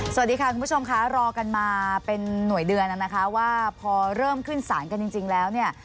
สวัสดีค่ะคุณผู้ชมค่ะรอกันมาเป็นหน่วยเดือนนะคะว่าพอเริ่มขึ้นสารกันจริงแล้วเนี่ย